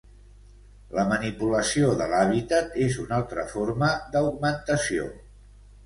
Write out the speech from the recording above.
La manipulació de l'hàbitat és una altra forma d'augmentació.